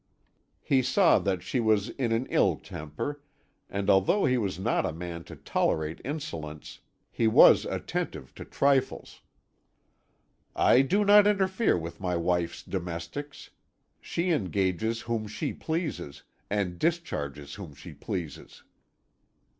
He saw that she was in an ill temper, and although he was not a man to tolerate insolence, he was attentive to trifles. "I do not interfere with my wife's domestics. She engages whom she pleases, and discharges whom she pleases."